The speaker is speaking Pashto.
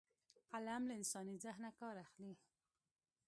قلم له انساني ذهنه کار اخلي